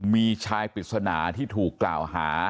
มีชายปริศนาที่ถูกกล่าวหา